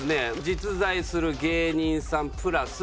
実在する芸人さんプラス